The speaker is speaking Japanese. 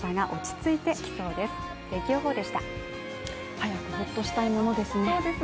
早くほっとしたいものですね。